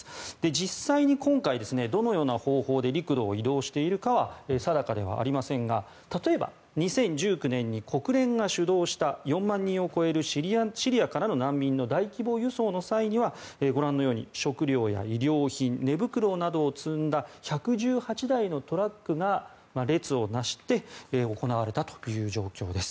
実際に今回、どのような方法で陸路を移動しているかは定かではありませんが例えば、２０１９年に国連が主導した４万人を超えるシリアからの難民の大規模輸送の際にはご覧のように食料や医療品、寝袋などを積んだ１１８台のトラックが列を成して行われたという状況です。